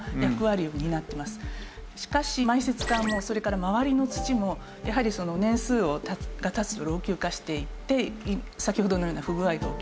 しかし埋設管もそれから周りの土もやはり年数が経つと老朽化していって先ほどのような不具合が起きる。